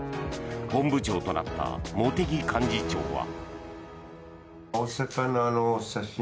本部長となった茂木幹事長は。